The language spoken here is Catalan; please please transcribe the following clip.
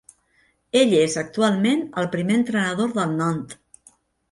Ell és actualment el primer entrenador del Nantes.